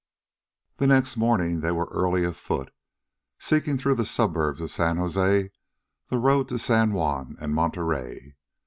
The next morning they were early afoot, seeking through the suburbs of San Jose the road to San Juan and Monterey.